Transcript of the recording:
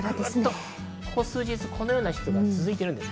ここ数日、このような湿度が続いているんです。